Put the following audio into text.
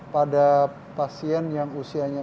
pada pasien yang usianya